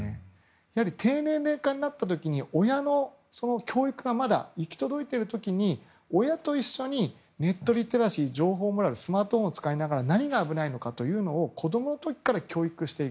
やはり低年齢化になった時親の教育がまだ行き届いている時に親と一緒にネットリテラシー情報モラルスマートフォンを使いながら何が危ないのかということを子供の時から教育する。